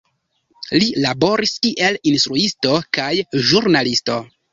Li laboris kiel instruisto kaj ĵurnalisto.